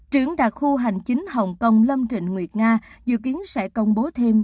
trưởng đặc khu hành chính hồng kông lâm trịnh nguyệt nga dự kiến sẽ công bố thêm